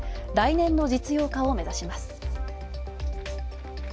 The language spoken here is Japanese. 来年の実用化を目指します。